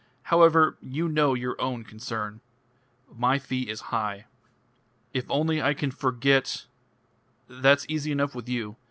However, you know your own concern. My fee is high." "If only I can forget " "That's easy enough with you.